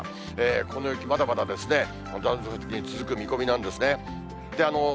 この雪、まだまだ断続的に続く見込みなんですね。